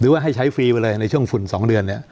ว่าให้ใช้ฟรีไปเลยในช่วงฝุ่น๒เดือนเนี่ย